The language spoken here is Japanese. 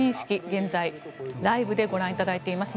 現在、ライブでご覧いただいています。